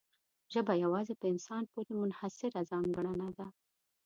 ژبه یوازې په انسان پورې منحصره ځانګړنه ده.